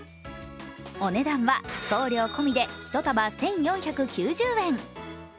お値段は送料込みで１束１４９０円。